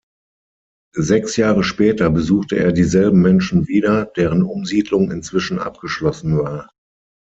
Sechs Jahre später besuchte er dieselben Menschen wieder, deren Umsiedlung inzwischen abgeschlossen war.